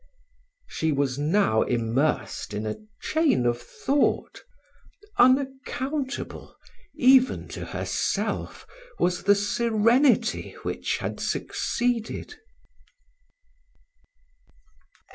She was now immersed in a chain of thought; unaccountable, even to herself, was the serenity which had succeeded.